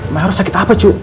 mak eros sakit apa cuk